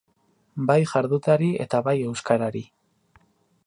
Bai jarduteari eta bai euskarari.